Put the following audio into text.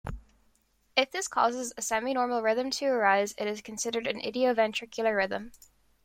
If this causes a semi-normal rhythm to arise it is considered an idioventricular rhythm.